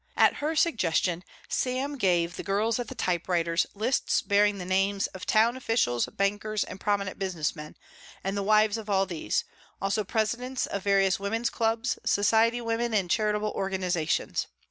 At her suggestion Sam gave the girls at the typewriters lists bearing the names of town officials, bankers and prominent business men, and the wives of all these, also presidents of various women's clubs, society women, and charitable organizations.